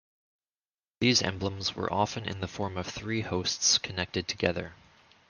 These emblems were often in the form of three hosts connected together.